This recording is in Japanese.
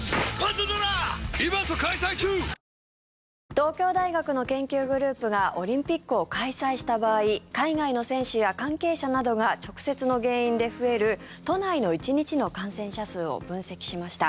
東京大学の研究グループがオリンピックを開催した場合海外の選手や関係者などが直接の原因で増える都内の１日の感染者数を分析しました。